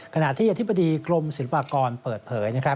ขณะที่อธิบดีกรมศิลปากรเปิดเผย